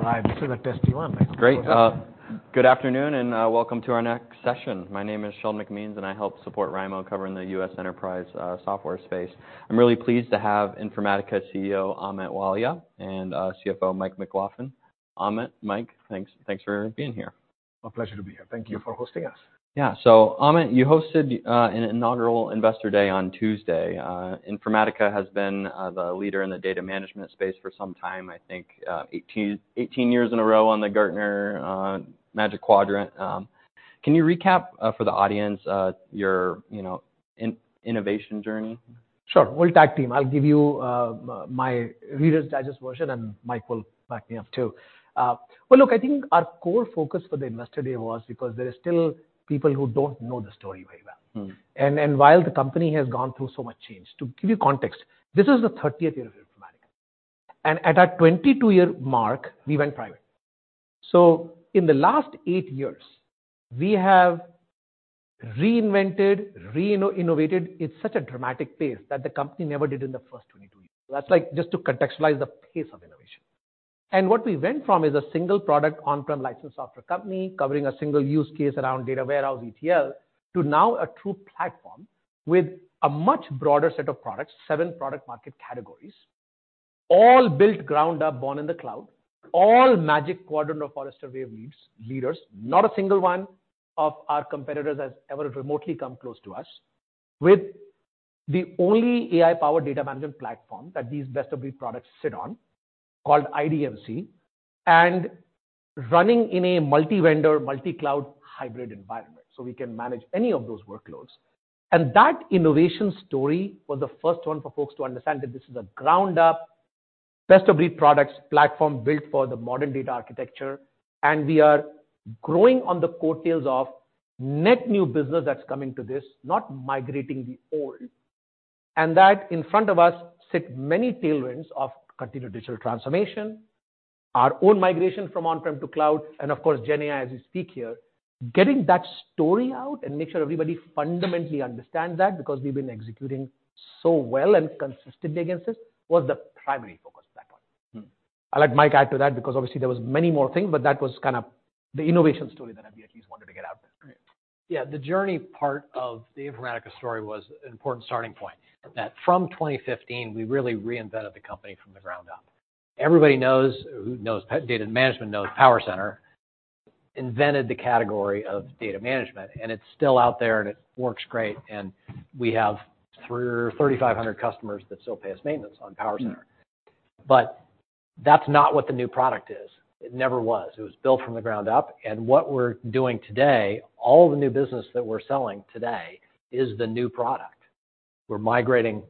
All right, so let's test you on that. Great. Good afternoon, and welcome to our next session. My name is Sheldon McMeans, and I help support Rimo covering the U.S. enterprise software space. I'm really pleased to have Informatica CEO, Amit Walia, and CFO, Mike McLaughlin. Amit, Mike, thanks, thanks for being here. A pleasure to be here. Thank you for hosting us. Yeah. So, Amit, you hosted an inaugural Investor Day on Tuesday. Informatica has been the leader in the data management space for some time, I think, 18, 18 years in a row on the Gartner Magic Quadrant. Can you recap for the audience your, you know, innovation journey? Sure. We'll tag team. I'll give you my Reader's Digest version, and Mike will back me up, too. Well, look, I think our core focus for the Investor Day was because there are still people who don't know the story very well. Mm. And while the company has gone through so much change, to give you context, this is the 30th year of Informatica, and at our 22-year mark, we went private. So in the last eight years, we have reinvented, innovated, in such a dramatic pace that the company never did in the first 22 years. That's like, just to contextualize the pace of innovation. And what we went from is a single product on-prem license software company, covering a single use case around data warehouse ETL, to now a true platform with a much broader set of products, seven product market categories, all built ground up, born in the cloud. All Magic Quadrant of Forrester Wave leaders. Not a single one of our competitors has ever remotely come close to us. With the only AI-powered data management platform that these best-of-breed products sit on, called IDMC, and running in a multi-vendor, multi-cloud, hybrid environment, so we can manage any of those workloads. And that innovation story was the first one for folks to understand that this is a ground-up, best-of-breed products platform built for the modern data architecture, and we are growing on the coattails of net new business that's coming to this, not migrating the old. And that, in front of us, sit many tailwinds of continued digital transformation, our own migration from on-prem to cloud, and of course, GenAI, as we speak here. Getting that story out and make sure everybody fundamentally understands that, because we've been executing so well and consistently against this, was the primary focus of that one. Mm. I'll let Mike add to that, because obviously there was many more things, but that was kind of the innovation story that I at least wanted to get out there. Great. Yeah. The journey part of the Informatica story was an important starting point, that from 2015, we really reinvented the company from the ground up. Everybody knows, who knows petabyte data management, knows PowerCenter, invented the category of data management, and it's still out there, and it works great, and we have 3,500 customers that still pay us maintenance on PowerCenter. Mm. But that's not what the new product is. It never was. It was built from the ground up, and what we're doing today, all the new business that we're selling today is the new product. We're migrating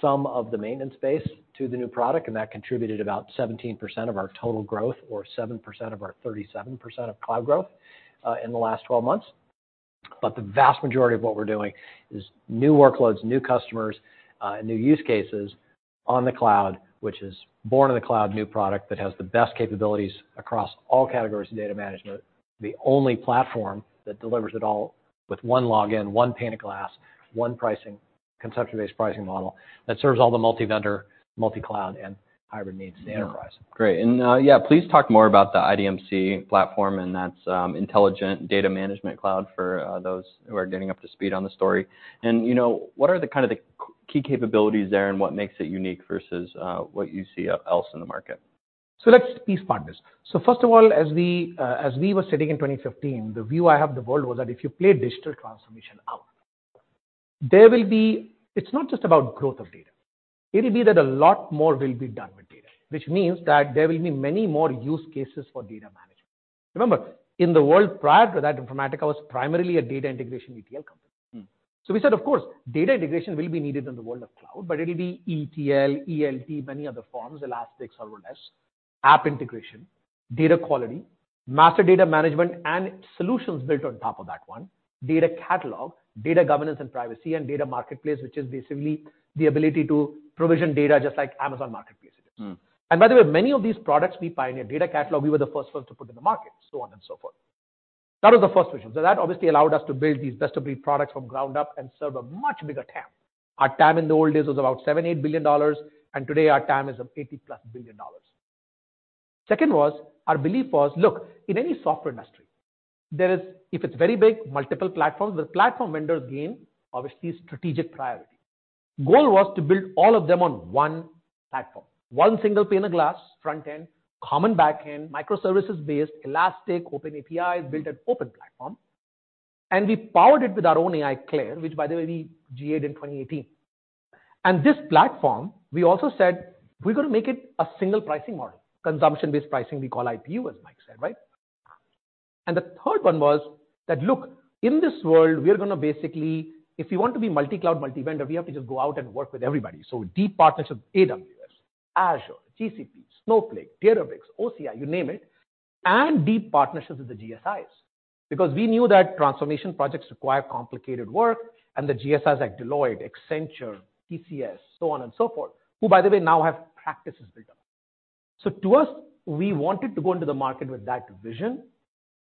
some of the maintenance base to the new product, and that contributed about 17% of our total growth or 7% of our 37% of cloud growth, in the last 12 months. But the vast majority of what we're doing is new workloads, new customers, and new use cases on the cloud, which is born in the cloud, new product that has the best capabilities across all categories of data management. The only platform that delivers it all with one login, one pane of glass, one pricing... consumption-based pricing model that serves all the multi-vendor, multi-cloud, and hybrid needs of the enterprise. Yeah. Great. And, yeah, please talk more about the IDMC platform, and that's, Intelligent Data Management Cloud for, those who are getting up to speed on the story. And, you know, what are the kind of the key capabilities there, and what makes it unique versus, what you see, else in the market? So let's piece this apart. So first of all, as we were sitting in 2015, the view I have of the world was that if you play digital transformation out, there will be. It's not just about growth of data. It will be that a lot more will be done with data, which means that there will be many more use cases for data management. Remember, in the world prior to that, Informatica was primarily a data integration ETL company. Mm. So we said, of course, data integration will be needed in the world of cloud, but it'll be ETL, ELT, many other forms, elastic, serverless, app integration, data quality, master data management, and solutions built on top of that one, data catalog, data governance and privacy, and data marketplace, which is basically the ability to provision data just like Amazon Marketplace. Mm. And by the way, many of these products we pioneered. Data Catalog, we were the first ones to put in the market, so on and so forth. That was the first vision. So that obviously allowed us to build these best-of-breed products from ground up and serve a much bigger TAM. Our TAM in the old days was about $7 billion-$8 billion, and today our TAM is some $80+ billion. Second was, our belief was, look, in any software industry, there is- if it's very big, multiple platforms, the platform vendors gain, obviously, strategic priority. Goal was to build all of them on one platform. One single pane of glass, front-end, common back-end, microservices-based, elastic, open API, built an open platform, and we powered it with our own AI, CLAIRE, which, by the way, we GA-ed in 2018. And this platform, we also said we're going to make it a single pricing model, consumption-based pricing we call IPU, as Mike said, right? And the third one was that, look, in this world, we are going to basically... If you want to be multi-cloud, multi-vendor, we have to just go out and work with everybody. So deep partnerships, AWS, Azure, GCP, Snowflake, Teradata, OCI, you name it, and deep partnerships with the GSIs, because we knew that transformation projects require complicated work, and the GSIs like Deloitte, Accenture, TCS, so on and so forth, who, by the way, now have practices built up. So to us, we wanted to go into the market with that vision,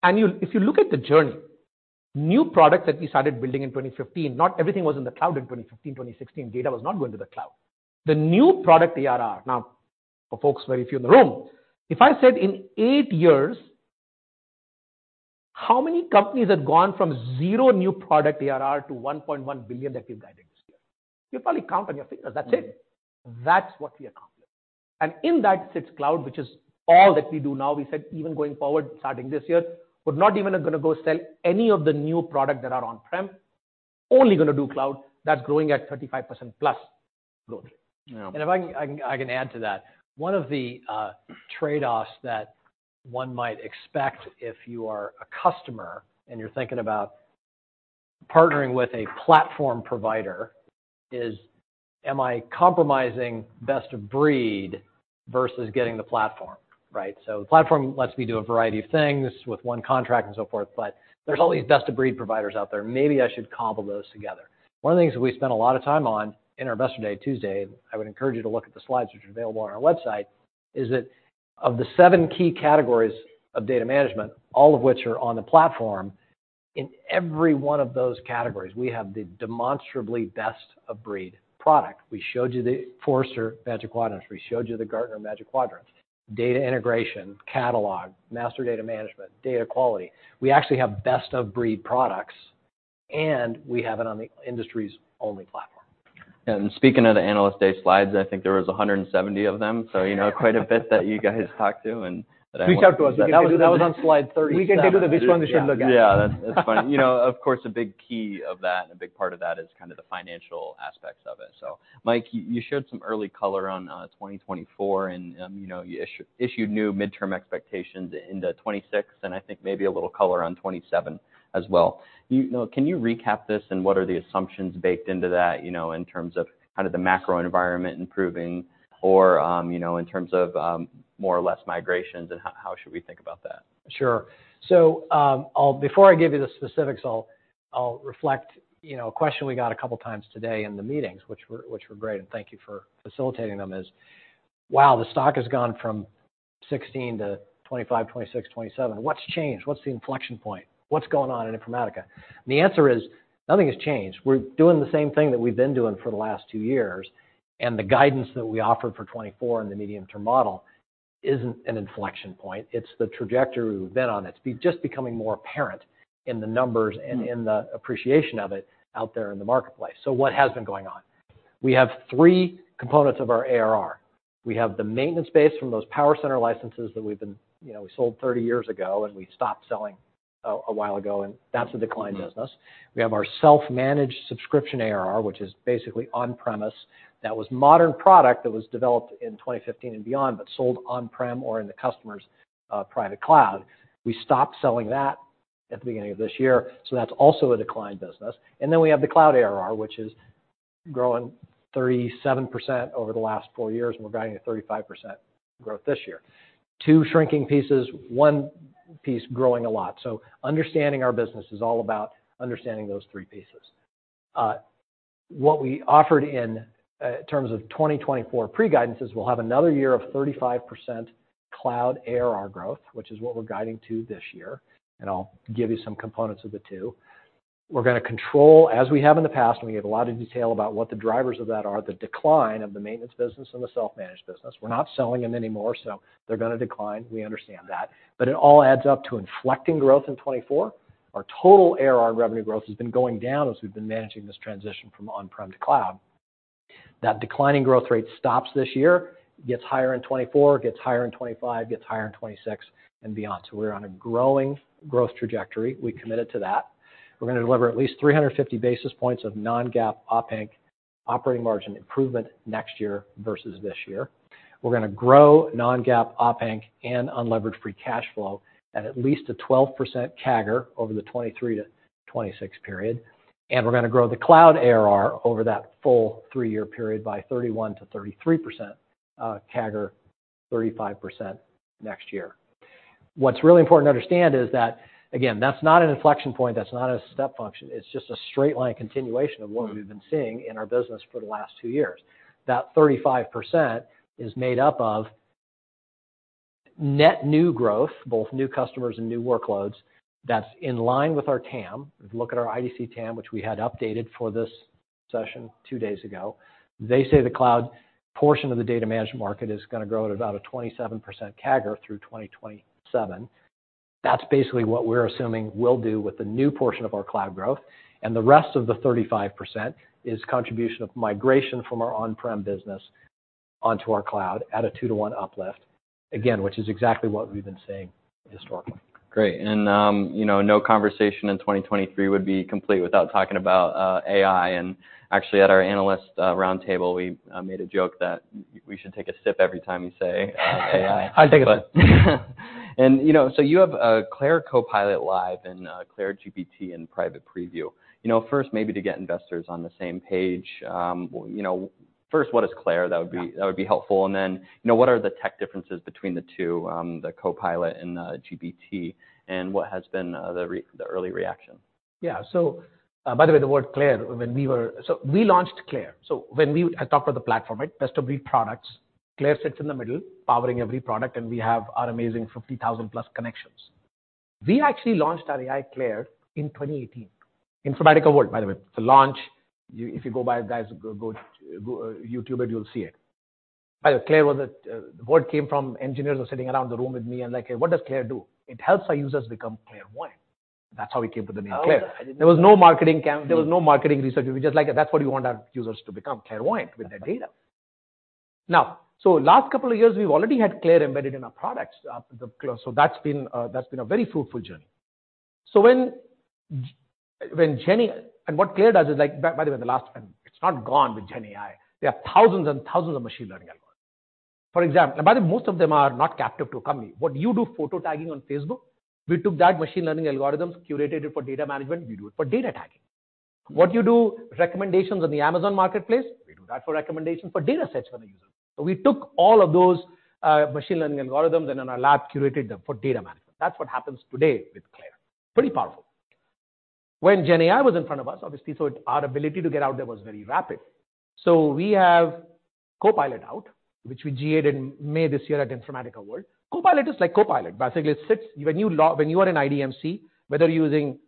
and you'll- if you look at the journey-... New products that we started building in 2015, not everything was in the cloud in 2015, 2016, data was not going to the cloud. The new product ARR, now for folks, very few in the room, if I said in eight years, how many companies have gone from zero new product ARR to $1.1 billion that we've guided this year? You'll probably count on your fingers. That's it. That's what we have accomplished. And in that sits cloud, which is all that we do now. We said even going forward, starting this year, we're not even gonna go sell any of the new product that are on-prem, only gonna do cloud. That's growing at 35%+ globally. Yeah. And if I can add to that. One of the trade-offs that one might expect if you are a customer and you're thinking about partnering with a platform provider is, am I compromising best-of-breed versus getting the platform, right? So the platform lets me do a variety of things with one contract and so forth, but there's all these best-of-breed providers out there. Maybe I should cobble those together. One of the things that we spent a lot of time on in our Investor Day Tuesday, I would encourage you to look at the slides, which are available on our website, is that of the seven key categories of data management, all of which are on the platform, in every one of those categories, we have the demonstrably best-of-breed product. We showed you the Gartner Magic Quadrant. We showed you the Gartner Magic Quadrant. Data integration, catalog, master data management, data quality. We actually have best-of-breed products, and we have it on the industry's only platform. Speaking of the Analyst Day slides, I think there was 170 of them, so, you know, quite a bit that you guys talked to and- Reach out to us. That was on slide 30. We can tell you which one you should look at. Yeah, that's, that's funny. You know, of course, a big key of that, and a big part of that is kind of the financial aspects of it. So, Mike, you, you showed some early color on 2024, and, you know, you issued, issued new midterm expectations into 2026, and I think maybe a little color on 2027 as well. You know, can you recap this, and what are the assumptions baked into that, you know, in terms of kind of the macro environment improving or, you know, in terms of, more or less migrations, and how, how should we think about that? Sure. So, I'll—Before I give you the specifics, I'll reflect, you know, a question we got a couple of times today in the meetings, which were great, and thank you for facilitating them, is, "Wow, the stock has gone from 16 to 25, 26, 27. What's changed? What's the inflection point? What's going on in Informatica?" The answer is, nothing has changed. We're doing the same thing that we've been doing for the last two years, and the guidance that we offered for 2024 and the medium-term model isn't an inflection point, it's the trajectory we've been on. It's just becoming more apparent in the numbers and in the appreciation of it out there in the marketplace. So what has been going on? We have three components of our ARR. We have the maintenance base from those PowerCenter licenses that we've been... You know, we sold 30 years ago, and we stopped selling a while ago, and that's a declined business. We have our self-managed subscription ARR, which is basically on-premise. That was modern product that was developed in 2015 and beyond, but sold on-prem or in the customer's private cloud. We stopped selling that at the beginning of this year, so that's also a declined business. And then we have the cloud ARR, which is growing 37% over the last 4 years, and we're guiding at 35% growth this year. Two shrinking pieces, one piece growing a lot. So understanding our business is all about understanding those three pieces. What we offered in terms of 2024 pre-guidance is we'll have another year of 35% cloud ARR growth, which is what we're guiding to this year, and I'll give you some components of the two. We're gonna control, as we have in the past, and we gave a lot of detail about what the drivers of that are, the decline of the maintenance business and the self-managed business. We're not selling them anymore, so they're gonna decline. We understand that. But it all adds up to inflecting growth in 2024. Our total ARR revenue growth has been going down as we've been managing this transition from on-prem to cloud. That declining growth rate stops this year, gets higher in 2024, gets higher in 2025, gets higher in 2026 and beyond. So we're on a growing growth trajectory. We committed to that. We're gonna deliver at least 350 basis points of Non-GAAP OpInc operating margin improvement next year versus this year. We're gonna grow Non-GAAP OpInc and unlevered free cash flow at least a 12% CAGR over the 2023-2026 period. We're gonna grow the cloud ARR over that full three-year period by 31%-33% CAGR, 35% next year. What's really important to understand is that, again, that's not an inflection point, that's not a step function. It's just a straight line continuation of what we've been seeing in our business for the last two years. That 35% is made up of net new growth, both new customers and new workloads. That's in line with our TAM. If you look at our IDC TAM, which we had updated for this session two days ago, they say the cloud portion of the data management market is gonna grow at about a 27% CAGR through 2027. That's basically what we're assuming we'll do with the new portion of our cloud growth, and the rest of the 35% is contribution of migration from our on-prem business onto our cloud at a 2-to-1 uplift, again, which is exactly what we've been saying historically. Great. And, you know, no conversation in 2023 would be complete without talking about AI. And actually, at our analyst roundtable, we made a joke that we should take a sip every time you say AI. I'll take it. And, you know, so you have a CLAIRE Copilot live and, CLAIRE GPT in private preview. You know, first, maybe to get investors on the same page, you know, first, what is CLAIRE? That would be- Yeah. That would be helpful, and then, you know, what are the tech differences between the two, the Copilot and the GPT, and what has been the early reaction? Yeah. So, by the way, the word CLAIRE. So we launched CLAIRE. So when we, I talked about the platform, right? Best-of-breed products. CLAIRE sits in the middle, powering every product, and we have our amazing 50,000+ connections. We actually launched our AI, CLAIRE, in 2018. Informatica World, by the way. It's a launch. You guys, go, YouTube it, you'll see it. By the way, CLAIRE was a, the word came from engineers who were sitting around the room with me, and like, "What does CLAIRE do? It helps our users become clairvoyant." That's how we came to the name CLAIRE. Oh, I didn't know that. There was no marketing camp, there was no marketing research. We just like it. That's what we want our users to become, clairvoyant with their data. Now, so last couple of years, we've already had CLAIRE embedded in our products, the CLAIRE. So that's been, that's been a very fruitful journey. So when GenAI. And what CLAIRE does is like, by the way, the last time, it's not gone with GenAI. There are thousands and thousands of machine learning algorithms. For example, by the way, most of them are not captive to a company. When you do photo tagging on Facebook, we took that machine learning algorithms, curated it for data management, we do it for data tagging. What you do, recommendations on the Amazon Marketplace, we do that for recommendation for data sets for the user. So we took all of those, machine learning algorithms, and in our lab, curated them for data management. That's what happens today with CLAIRE. Pretty powerful. When GenAI was in front of us, obviously, so our ability to get out there was very rapid. So we have Copilot out, which we GA'd in May this year at Informatica World. Copilot is like Copilot. Basically, it sits... When you are in IDMC, whether you're using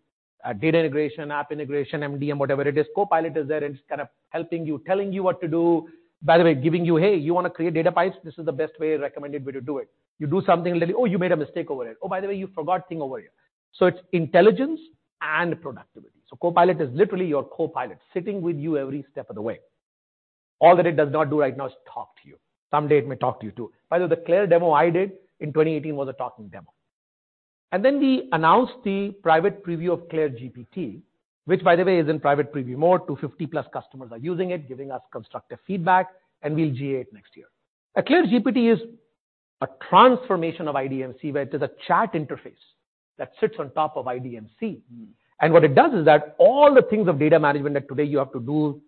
a data integration, app integration, MDM, whatever it is, Copilot is there, and it's kind of helping you, telling you what to do. By the way, giving you, "Hey, you want to create data pipes? This is the best way, recommended way to do it." You do something, literally, "Oh, you made a mistake over it. Oh, by the way, you forgot thing over here." So it's intelligence and productivity. So Copilot is literally your co-pilot, sitting with you every step of the way. All that it does not do right now is talk to you. Someday it may talk to you, too. By the way, the CLAIRE demo I did in 2018 was a talking demo. And then we announced the private preview of CLAIRE GPT, which, by the way, is in private preview mode. 250+ customers are using it, giving us constructive feedback, and we'll GA it next year. CLAIRE GPT is a transformation of IDMC, where it is a chat interface that sits on top of IDMC. Mm. What it does is that all the things of data management that today you have to do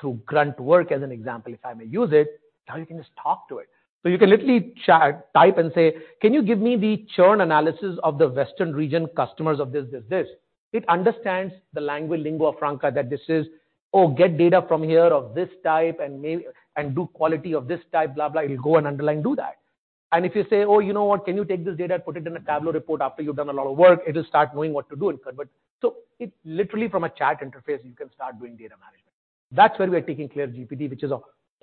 through grunt work, as an example, if I may use it, now you can just talk to it. So you can literally chat, type and say, "Can you give me the churn analysis of the western region customers of this, this, this?" It understands the language, lingua franca, that this is, "Oh, get data from here of this type, and do quality of this type," blah, blah. It'll go and do that. If you say, "Oh, you know what? Can you take this data and put it in a Tableau report?" After you've done a lot of work, it'll start knowing what to do and convert. So it literally, from a chat interface, you can start doing data management. That's where we are taking CLAIRE GPT, which is a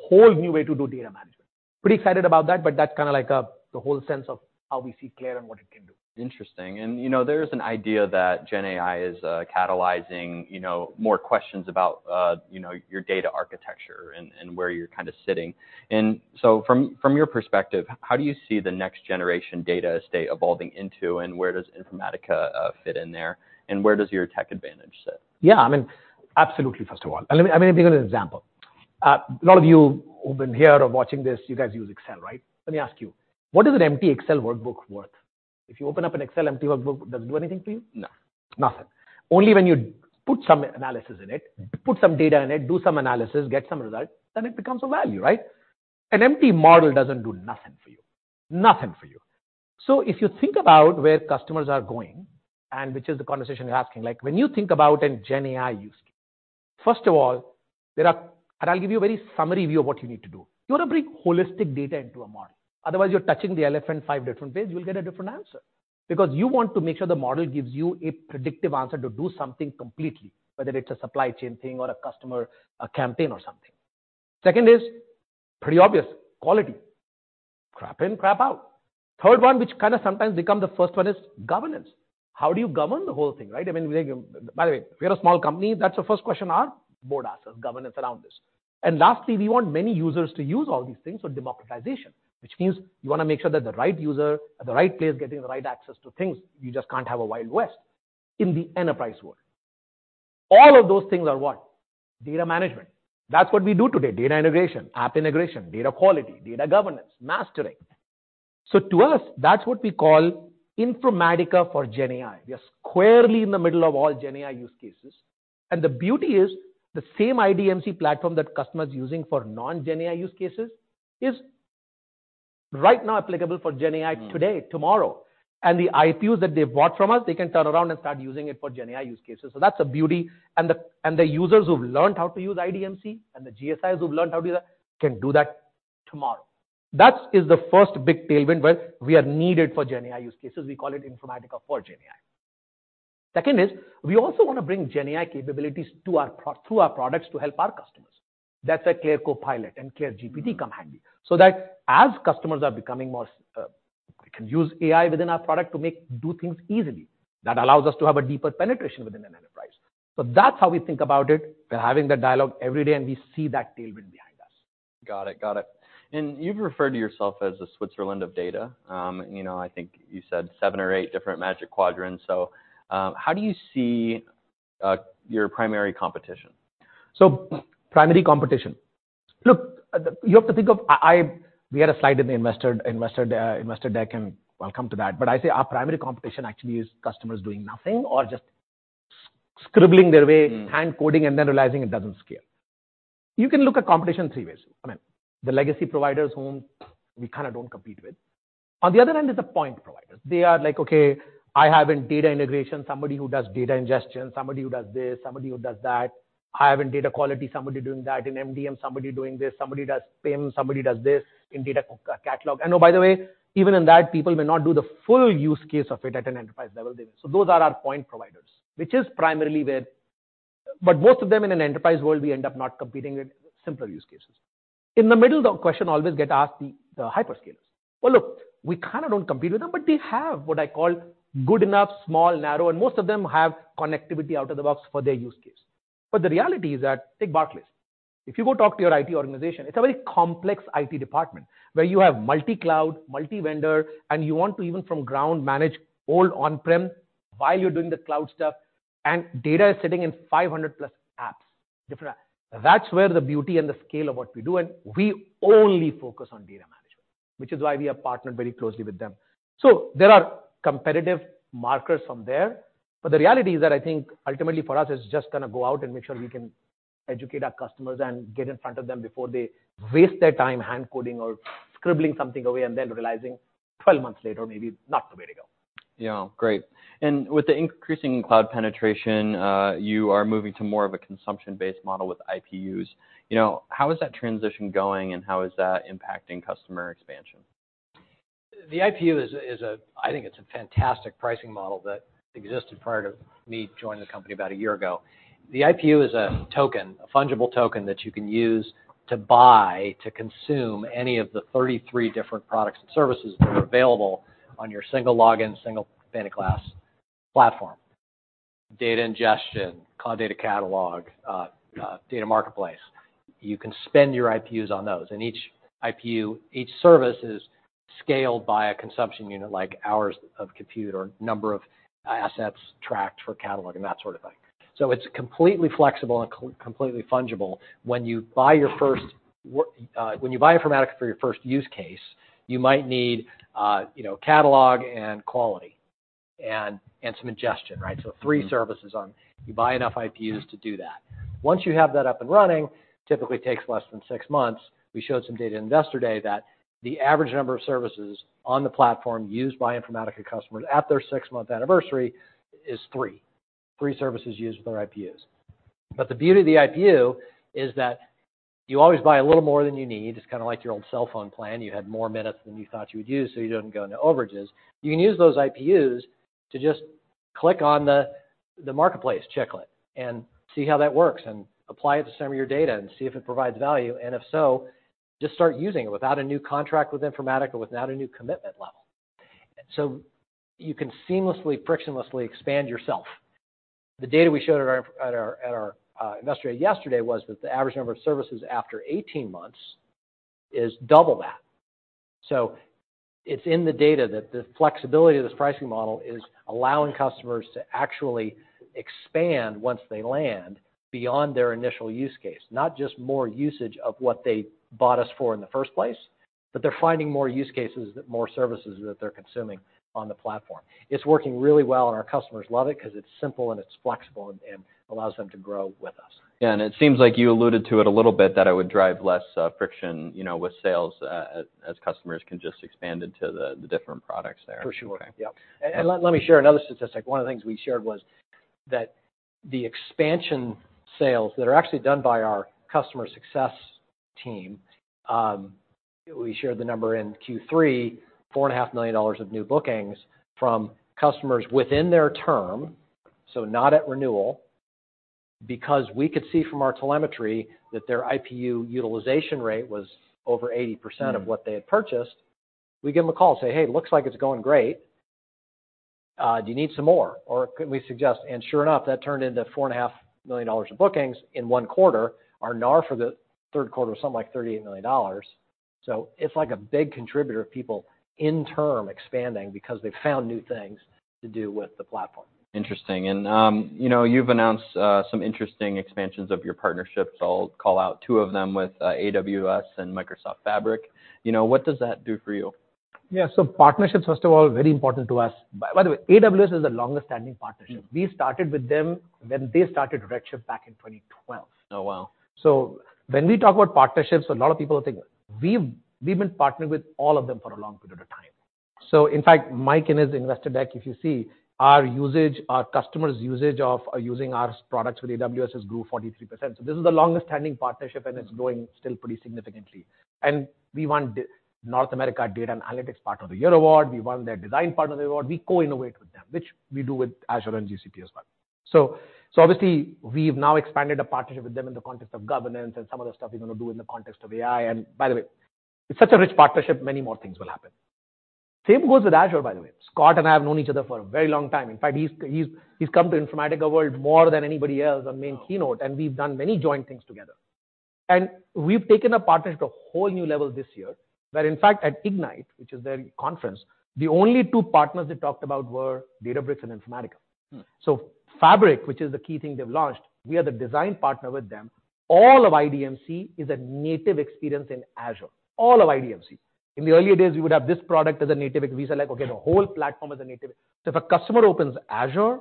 whole new way to do data management. Pretty excited about that, but that's kind of like, the whole sense of how we see CLAIRE and what it can do. Interesting. And, you know, there's an idea that GenAI is catalyzing, you know, more questions about, you know, your data architecture and where you're kind of sitting. And so from your perspective, how do you see the next generation data estate evolving into, and where does Informatica fit in there? And where does your tech advantage sit? Yeah, I mean, absolutely, first of all, and let me, let me give you an example. A lot of you who've been here or watching this, you guys use Excel, right? Let me ask you, what is an empty Excel workbook worth? If you open up an Excel empty workbook, does it do anything to you? No, nothing. Only when you put some analysis in it, put some data in it, do some analysis, get some results, then it becomes a value, right? An empty model doesn't do nothing for you. Nothing for you. So if you think about where customers are going, and which is the conversation you're asking, like, when you think about a GenAI use case, first of all, there are... And I'll give you a very summary view of what you need to do. You want to bring holistic data into a model. Otherwise, you're touching the elephant five different ways. You will get a different answer. Because you want to make sure the model gives you a predictive answer to do something completely, whether it's a supply chain thing or a customer, a campaign or something. Second is pretty obvious, quality. Crap in, crap out. Third one, which kind of sometimes become the first one, is governance. How do you govern the whole thing, right? I mean, by the way, if you're a small company, that's the first question our board asks us, governance around this. And lastly, we want many users to use all these things, so democratization, which means you want to make sure that the right user at the right place, getting the right access to things. You just can't have a Wild West in the enterprise world. All of those things are what? Data management. That's what we do today. Data integration, app integration, data quality, data governance, mastering. So to us, that's what we call Informatica for GenAI. We are squarely in the middle of all GenAI use cases, and the beauty is, the same IDMC platform that customer is using for non-GenAI use cases is right now applicable for GenAI today, tomorrow. Mm. The IPUs that they bought from us, they can turn around and start using it for GenAI use cases. So that's a beauty, and the users who've learned how to use IDMC and the GSIs who've learned how to do that, can do that tomorrow. That is the first big tailwind where we are needed for GenAI use cases. We call it Informatica for GenAI. Second is, we also want to bring GenAI capabilities to our pro- through our products to help our customers. That's where CLAIRE Copilot and CLAIRE GPT come handy. So that as customers are becoming more, they can use AI within our product to make, do things easily. That allows us to have a deeper penetration within an enterprise. So that's how we think about it. We're having that dialogue every day, and we see that tailwind behind us. Got it. Got it. And you've referred to yourself as the Switzerland of data. You know, I think you said seven or eight different Magic Quadrants. So, how do you see your primary competition? So primary competition. Look, you have to think of... We had a slide in the investor deck, and I'll come to that. But I say our primary competition actually is customers doing nothing or just scribbling their way- Mm. Hand coding and then realizing it doesn't scale. You can look at competition in three ways. I mean, the legacy providers whom we kind of don't compete with. On the other hand, there's the point providers. They are like, okay, I have in data integration, somebody who does data ingestion, somebody who does this, somebody who does that. I have in data quality, somebody doing that, in MDM, somebody doing this, somebody does PIM, somebody does this in data catalog. And oh, by the way, even in that, people will not do the full use case of it at an enterprise level. So those are our point providers, which is primarily where- But most of them, in an enterprise world, we end up not competing in simpler use cases. In the middle, the question always get asked, the, the hyperscalers. Well, look, we kind of don't compete with them, but they have what I call good enough, small, narrow, and most of them have connectivity out of the box for their use case. But the reality is that, take Barclays. If you go talk to your IT organization, it's a very complex IT department, where you have multi-cloud, multi-vendor, and you want to, even from ground, manage all on-prem while you're doing the cloud stuff, and data is sitting in 500+ apps, different apps. That's where the beauty and the scale of what we do, and we only focus on data management, which is why we have partnered very closely with them. There are competitive markers from there, but the reality is that I think ultimately for us, it's just gonna go out and make sure we can educate our customers and get in front of them before they waste their time hand coding or scribbling something away and then realizing 12 months later, maybe not the way to go. Yeah, great. And with the increasing cloud penetration, you are moving to more of a consumption-based model with IPUs. You know, how is that transition going, and how is that impacting customer expansion? The IPU is a fantastic pricing model that existed prior to me joining the company about a year ago. The IPU is a token, a fungible token that you can use to buy, to consume any of the 33 different products and services that are available on your single login, single pane of glass platform. Data ingestion, cloud data catalog, data marketplace. You can spend your IPUs on those, and each IPU, each service is scaled by a consumption unit, like hours of compute or number of assets tracked for catalog and that sort of thing. So it's completely flexible and completely fungible. When you buy your first, when you buy Informatica for your first use case, you might need, you know, catalog and quality and some ingestion, right? Mm-hmm. So, three services on... You buy enough IPUs to do that. Once you have that up and running, typically takes less than six months. We showed some data in Investor Day, that the average number of services on the platform used by Informatica customers at their six-month anniversary is three. Three services used with their IPUs. But the beauty of the IPU is that you always buy a little more than you need. It's kind of like your old cell phone plan. You had more minutes than you thought you would use, so you didn't go into overages. You can use those IPUs to just click on the marketplace checklist and see how that works, and apply it to some of your data and see if it provides value, and if so, just start using it without a new contract with Informatica, or without a new commitment level. So you can seamlessly, frictionlessly expand yourself. The data we showed at our Investor Day yesterday was that the average number of services after 18 months is double that. So it's in the data that the flexibility of this pricing model is allowing customers to actually expand once they land, beyond their initial use case. Not just more usage of what they bought us for in the first place, but they're finding more use cases, that more services that they're consuming on the platform. It's working really well, and our customers love it 'cause it's simple and it's flexible, and allows them to grow with us. Yeah, and it seems like you alluded to it a little bit, that it would drive less friction, you know, with sales as customers can just expand into the different products there. For sure. Okay. Yep. Let me share another statistic. One of the things we shared was that the expansion sales that are actually done by our customer success team. We shared the number in Q3, $4.5 million of new bookings from customers within their term, so not at renewal. Because we could see from our telemetry that their IPU utilization rate was over 80%. Mm... of what they had purchased. We give them a call and say, "Hey, looks like it's going great. Do you need some more, or could we suggest?" And sure enough, that turned into $4.5 million of bookings in one quarter. Our NAR for the third quarter was something like $38 million. So it's like a big contributor of people in term expanding because they've found new things to do with the platform. Interesting. You know, you've announced some interesting expansions of your partnerships. I'll call out two of them with AWS and Microsoft Fabric. You know, what does that do for you? Yeah, so partnerships, first of all, very important to us. By the way, AWS is the longest standing partnership. Mm. We started with them when they started Redshift back in 2012. Oh, wow! When we talk about partnerships, a lot of people think we've, we've been partnered with all of them for a long period of time. In fact, Mike, in his investor deck, if you see, our usage, our customers' usage of using our products with AWS has grew 43%. This is the longest standing partnership, and it's growing still pretty significantly. We won the North America Data and Analytics Partner of the Year award. We won their Design Partner of the Year award. We co-innovate with them, which we do with Azure and GCP as well. So, so obviously, we've now expanded a partnership with them in the context of governance and some other stuff we're gonna do in the context of AI. By the way, it's such a rich partnership, many more things will happen. Same goes with Azure, by the way. Scott and I have known each other for a very long time. In fact, he's come to Informatica World more than anybody else, our main keynote- Wow! And we've done many joint things together. And we've taken our partnership to a whole new level this year, where, in fact, at Ignite, which is their conference, the only two partners they talked about were Databricks and Informatica. Mm. So Fabric, which is the key thing they've launched, we are the design partner with them. All of IDMC is a native experience in Azure, all of IDMC. In the earlier days, we would have this product as a native, and we said, "Okay, look, the whole platform as a native." So if a customer opens Azure,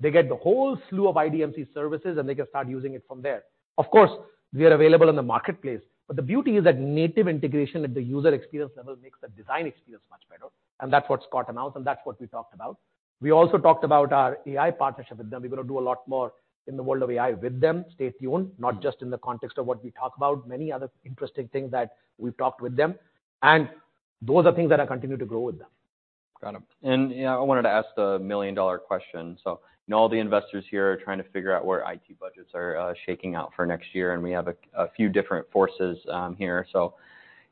they get the whole slew of IDMC services, and they can start using it from there. Of course, we are available in the marketplace, but the beauty is that native integration at the user experience level makes the design experience much better, and that's what's caught them out, and that's what we talked about. We also talked about our AI partnership with them. We're going to do a lot more in the world of AI with them. Stay tuned, not just in the context of what we talk about, many other interesting things that we've talked with them, and those are things that are continuing to grow with them. Got them. You know, I wanted to ask the million-dollar question. So I know all the investors here are trying to figure out where IT budgets are shaking out for next year, and we have a few different forces here.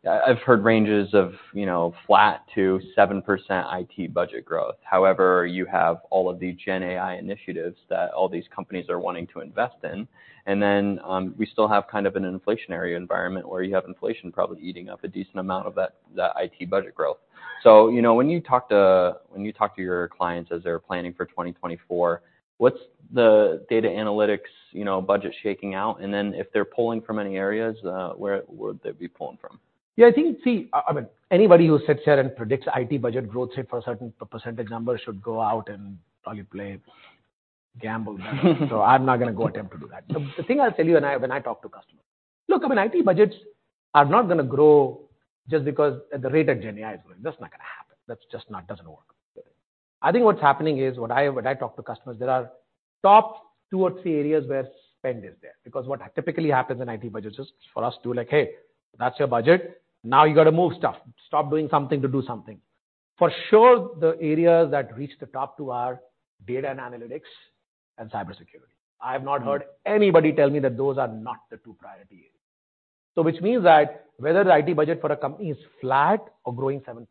I've heard ranges of, you know, flat to 7% IT budget growth. However, you have all of the GenAI initiatives that all these companies are wanting to invest in. And then we still have kind of an inflationary environment where you have inflation probably eating up a decent amount of that IT budget growth. You know, when you talk to your clients as they're planning for 2024, what's the data analytics budget shaking out? And then if they're pulling from any areas, where would they be pulling from? Yeah, I think, see, I mean, anybody who sits here and predicts IT budget growth, say, for a certain percentage number, should go out and probably play gamble. So I'm not going to go attempt to do that. The thing I'll tell you when I talk to customers: Look, I mean, IT budgets are not going to grow just because at the rate that GenAI is growing, that's not going to happen. That's just not; doesn't work. I think what's happening is, when I talk to customers, there are top two or three areas where spend is there. Because what typically happens in IT budgets is for us to like, "Hey, that's your budget. Now, you got to move stuff. Stop doing something to do something." For sure, the areas that reach the top two are data and analytics and cybersecurity. I've not heard anybody tell me that those are not the two priority areas. So which means that whether the IT budget for a company is flat or growing 7%,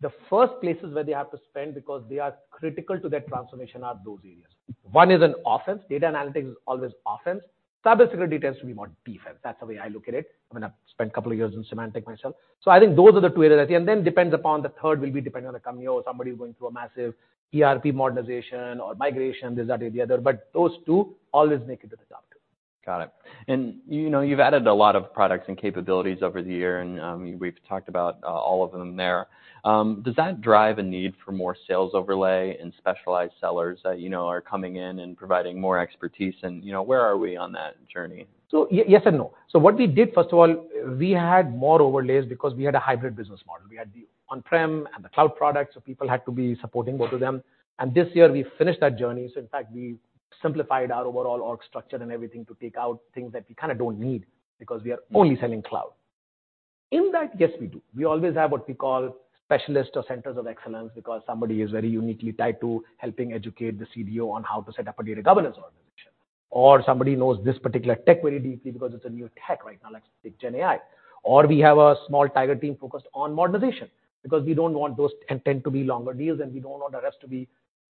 the first places where they have to spend, because they are critical to their transformation, are those areas. One is an offense. Data analytics is always offense. Cybersecurity tends to be more defense. That's the way I look at it. I mean, I've spent a couple of years in Symantec myself. So I think those are the two areas, and then depends upon the third will be depending on the company, or somebody who is going through a massive ERP modernization or migration, this, that, and the other, but those two always make it to the top two. Got it. And, you know, you've added a lot of products and capabilities over the year, and we've talked about all of them there. Does that drive a need for more sales overlay and specialized sellers that, you know, are coming in and providing more expertise and, you know, where are we on that journey? So y-yes and no. So what we did, first of all, we had more overlays because we had a hybrid business model. We had the on-prem and the cloud products, so people had to be supporting both of them. And this year we finished that journey. So in fact, we simplified our overall org structure and everything to take out things that we kind of don't need because we are only selling cloud. In that, yes, we do. We always have what we call specialists or centers of excellence because somebody is very uniquely tied to helping educate the CDO on how to set up a data governance organization. Or somebody knows this particular tech very deeply because it's a new tech right now, like GenAI. Or we have a small tiger team focused on modernization because we don't want those 10, 10 to be longer deals, and we don't want the rest to be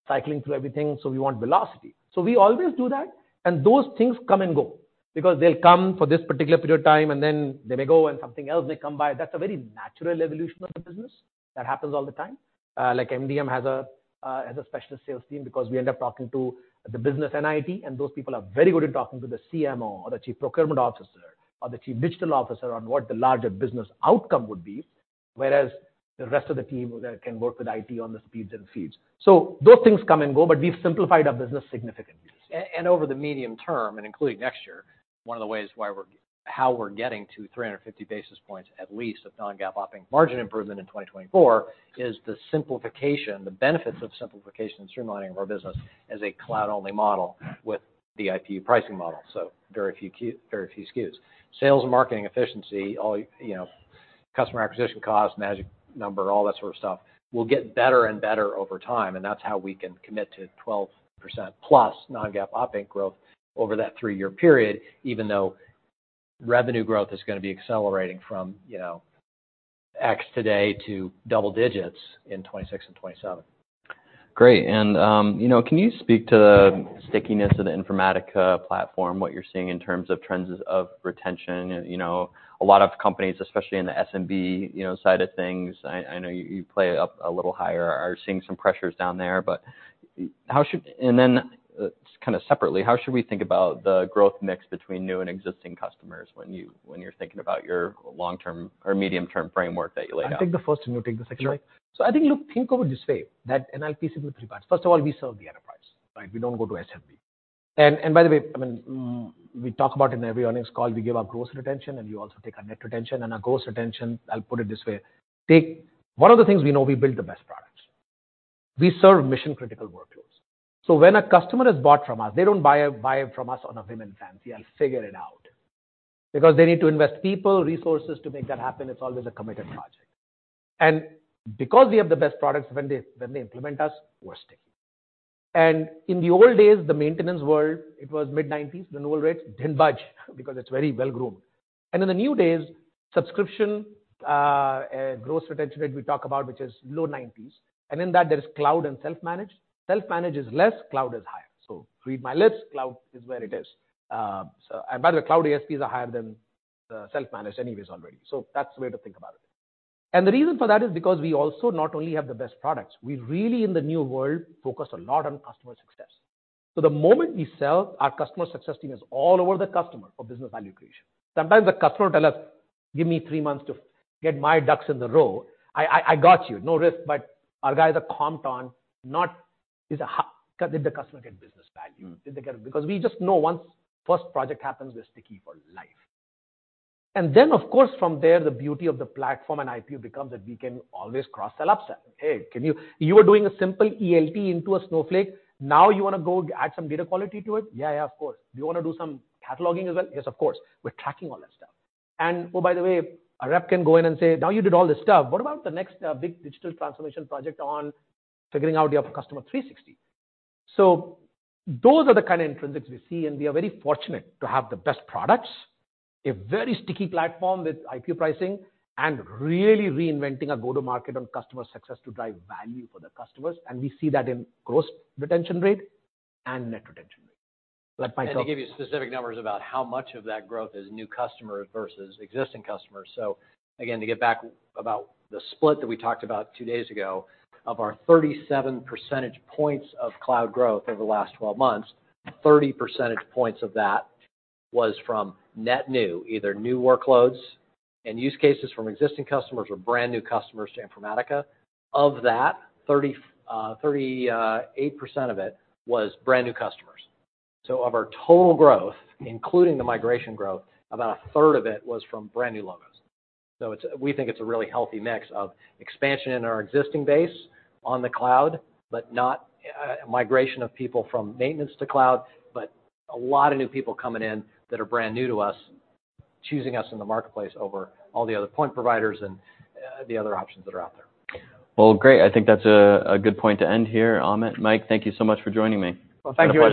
cycling through everything, so we want velocity. So we always do that, and those things come and go because they'll come for this particular period of time, and then they may go, and something else may come by. That's a very natural evolution of the business. That happens all the time. Like MDM has a specialist sales team because we end up talking to the business and IT, and those people are very good at talking to the CMO or the Chief Procurement Officer or the Chief Digital Officer on what the larger business outcome would be, whereas the rest of the team that can work with IT on the speeds and feeds. Those things come and go, but we've simplified our business significantly. And over the medium term, and including next year, one of the ways why we're... How we're getting to 350 basis points, at least of non-GAAP operating margin improvement in 2024, is the simplification, the benefits of simplification and streamlining of our business as a cloud-only model with the IPU pricing model. So very few key, very few SKUs. Sales and marketing efficiency, all, you know, customer acquisition costs, magic number, all that sort of stuff, will get better and better over time, and that's how we can commit to 12%+ non-GAAP OpInc growth over that three-year period, even though revenue growth is going to be accelerating from, you know, X today to double digits in 2026 and 2027. Great. And, you know, can you speak to the stickiness of the Informatica platform, what you're seeing in terms of trends of retention? You know, a lot of companies, especially in the SMB, you know, side of things, I know you play it up a little higher, are seeing some pressures down there. But how should... And then, kind of separately, how should we think about the growth mix between new and existing customers when you're thinking about your long-term or medium-term framework that you laid out? I'll take the first, and you take the second. Sure. So I think, look, think of it this way, that... And I'll piece it with three parts. First of all, we serve the enterprise, right? We don't go to SMB. And, and by the way, I mean, we talk about in every earnings call, we give our gross retention, and we also take our net retention. And our gross retention, I'll put it this way: Take... One of the things we know, we build the best products. We serve mission-critical workloads. So when a customer has bought from us, they don't buy, buy from us on a whim and fancy, "I'll figure it out." Because they need to invest people, resources to make that happen. It's always a committed project. And because we have the best products, when they, when they implement us, we're sticking. In the old days, the maintenance world, it was mid-nineties, the renewal rates didn't budge because it's very well-groomed. In the new days, subscription, gross retention rate we talk about, which is low 90s%, and in that, there is cloud and self-managed. Self-managed is less. Cloud is higher. So read my lips, cloud is where it is. So, and by the way, cloud ASPs are higher than the self-managed anyways, already. So that's the way to think about it. The reason for that is because we also not only have the best products, we really, in the new world, focus a lot on customer success. So the moment we sell, our customer success team is all over the customer for business value creation. Sometimes the customer will tell us, give me three months to get my ducks in a row. I got you. No risk, but our guys are comped on, not on how did the customer get business value? Did they get it? Because we just know once first project happens, they're sticky for life. And then, of course, from there, the beauty of the platform and IPU becomes that we can always cross-sell, upsell. "Hey, can you-- you are doing a simple ELT into a Snowflake. Now you want to go add some data quality to it?" "Yeah, yeah, of course." "Do you want to do some cataloging as well?" "Yes, of course." We're tracking all that stuff. And oh, by the way, a rep can go in and say, "Now, you did all this stuff. What about the next big digital transformation project on figuring out your customer 360? So those are the kind of intrinsics we see, and we are very fortunate to have the best products, a very sticky platform with IPU pricing, and really reinventing a go-to-market on customer success to drive value for the customers. And we see that in Gross Retention Rate and Net Retention Rate. Let Mike talk. To give you specific numbers about how much of that growth is new customers versus existing customers. So again, to get back about the split that we talked about two days ago, of our 37 percentage points of cloud growth over the last 12 months, 30 percentage points of that was from net new, either new workloads and use cases from existing customers or brand-new customers to Informatica. Of that, 38% of it was brand-new customers. So of our total growth, including the migration growth, about a third of it was from brand-new logos. We think it's a really healthy mix of expansion in our existing base on the cloud, but not migration of people from maintenance to cloud, but a lot of new people coming in that are brand new to us, choosing us in the marketplace over all the other point providers and the other options that are out there. Well, great. I think that's a good point to end here, Amit. Mike, thank you so much for joining me. Well, thank you, Mike.